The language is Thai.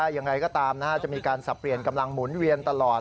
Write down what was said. อย่างไรก็ตามนะครับจะมีการสับเปลี่ยน